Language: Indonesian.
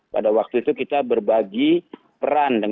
pada waktu itu kita berbagi peran